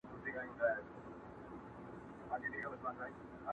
د خور او مور له ګریوانونو سره لوبي کوي!!